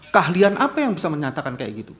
keahlian apa yang bisa menyatakan kayak gitu